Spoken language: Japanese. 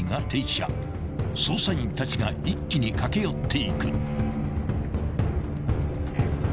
［捜査員たちが一気に駆け寄っていく］